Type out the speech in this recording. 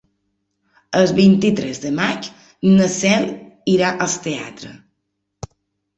El vint-i-tres de maig na Cel irà al teatre.